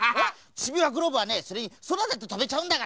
チビワクロボはねそれにそらだってとべちゃうんだから。